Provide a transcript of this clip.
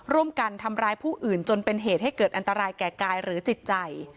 ร่วมกันทำร้ายผู้อื่นจนเป็นเหตุให้เกิดอันตรายแก่กายหรือจิตใจ